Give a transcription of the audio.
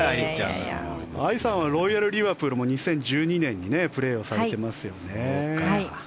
藍さんはロイヤル・リバプールも２０１２年にプレーをされてますよね。